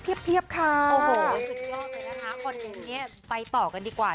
โอ้โหสุดยอดเลยนะคะคอนเทนต์นี้ไปต่อกันดีกว่า